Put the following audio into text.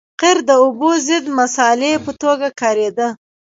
قیر د اوبو ضد مصالحې په توګه کارېده